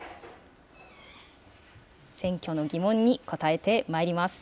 選挙のギモンに答えてまいります。